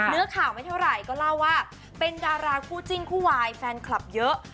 เนื้อข่าวไม่เท่าไหร่ก็เล่าว่าเป็นดาราคู่จิ้นคู่วายแฟนคลับเยอะ